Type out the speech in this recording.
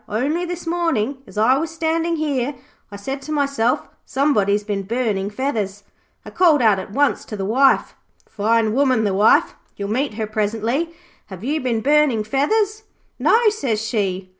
Only this morning, as I was standing here, I said to myself "somebody's been burning feathers". I called out at once to the wife fine woman, the wife, you'll meet her presently "Have you been burning feathers?" "No", says she.